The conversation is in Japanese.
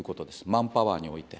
マンパワーにおいて。